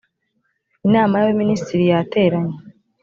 inama y ‘abaminisitiri yateranye .